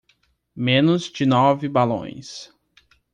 Menos de nove balões